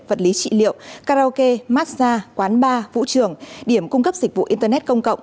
vật lý trị liệu karaoke massage quán bar vũ trường điểm cung cấp dịch vụ internet công cộng